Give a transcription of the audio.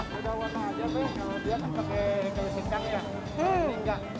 beda warna aja tapi kalau di jepang pakai kayu secang ya